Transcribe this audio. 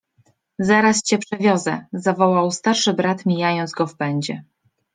— Zaraz cię przewiozę! — zawołał starszy brat, mijając go w pędzie.